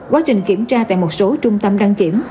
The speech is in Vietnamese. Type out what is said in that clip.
quá trình kiểm tra tại một số trung tâm đăng kiểm